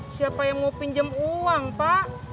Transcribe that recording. siapa yang mau pinjam uang pak